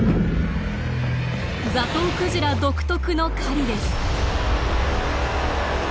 ザトウクジラ独特の狩りです。